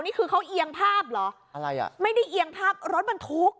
นี่คือเขาเอี่ยงภาพเหรอไม่ได้เอี่ยงภาพรถมันทุกข์